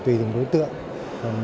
tùy từng đối tượng